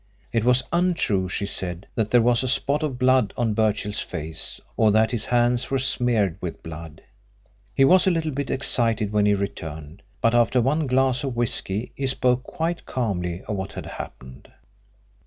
It was untrue, she said, that there was a spot of blood on Birchill's face or that his hands were smeared with blood. He was a little bit excited when he returned, but after one glass of whisky he spoke quite calmly of what had happened.